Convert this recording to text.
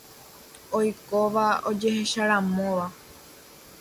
Oikóva ojehecharamóva.